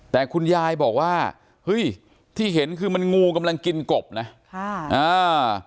แต่คุณยายบอกว่าเฮ้ยที่เห็นคือมันงูกำลังกินกบนะค่ะอ่า